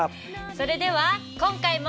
それでは今回も。